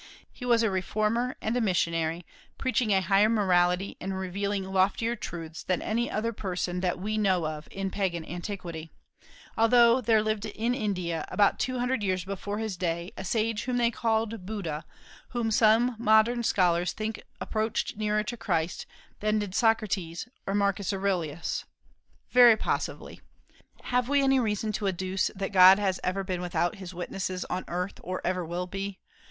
He was a reformer and a missionary, preaching a higher morality and revealing loftier truths than any other person that we know of in pagan antiquity; although there lived in India, about two hundred years before his day, a sage whom they called Buddha, whom some modern scholars think approached nearer to Christ than did Socrates or Marcus Aurelius. Very possibly. Have we any reason to adduce that God has ever been without his witnesses on earth, or ever will be?